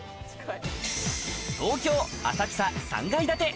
東京・浅草３階建て。